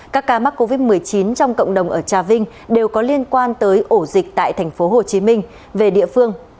các ca mắc covid một mươi chín trong cộng đồng ở trà vinh đều có liên quan tới ổ dịch tại tp hcm về địa phương